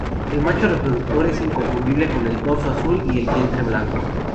El macho reproductor es inconfundible con el dorso azul y el vientre blanco.